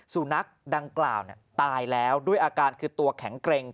สุนัขดังกล่าวตายแล้วด้วยอาการคือตัวแข็งเกร็ง